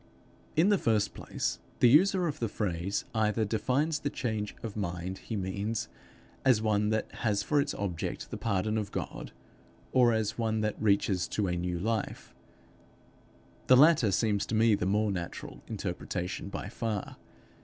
In the first place, the user of the phrase either defines the change of mind he means as one that has for its object the pardon of God, or as one that reaches to a new life: the latter seems to me the more natural interpretation by far.